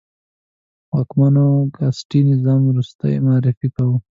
واکمنو کاسټي نظام ریښتنی معرفي کاوه.